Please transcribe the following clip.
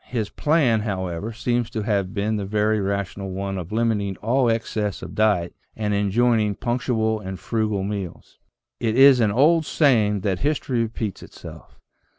His plan, however, seems to have been the very rational one of limiting all excess of diet and enjoining punctual and frugal meals." It is an old saying that history repeats itself.